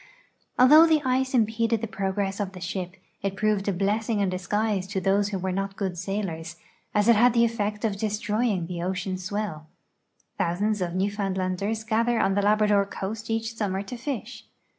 Although the ice impeded the j^rogress of the sliip, it ])roved a blessing in disguise to those who were not good sailors, as it had the effect of destroying the ocean swell. Tlu)usands of Newfoundlanders gather on the Labrador coast each suinnu r to fish.